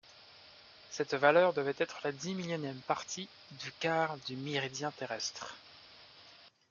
Cette valeur devait être la dix millionième partie du quart du méridien terrestre.